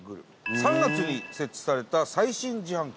３月に設置された最新自販機。